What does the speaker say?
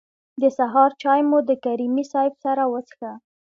د سهار چای مو د کریمي صیب سره وڅښه.